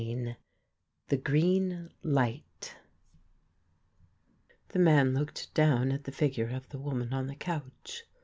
58 THE GREEN LIGHT The man looked down at the figure of the woman on the couch.